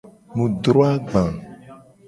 Mu dro agba.